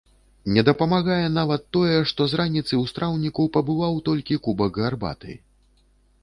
Не дапамагае нават тое, што з раніцы ў страўніку пабываў толькі кубак гарбаты!